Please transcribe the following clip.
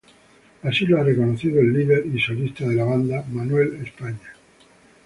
Así lo ha reconocido el líder y solista de la banda, Manuel España.